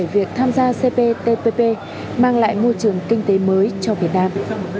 việc tham gia cp tpp mang lại môi trường kinh tế mới cho việt nam